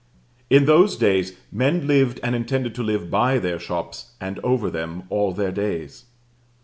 In those days men lived, and intended to live by their shops, and over them, all their days.